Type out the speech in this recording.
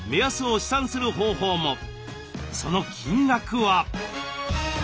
その金額は？